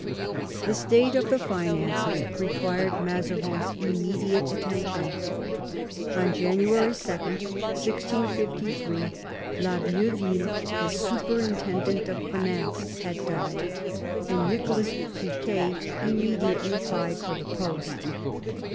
The state of the finances required Mazarin's immedi ate attention. On January 2, 1653, la Vieuville, the superintendent of finance, had died, and Nicholas Fouquet immediately applied for the post.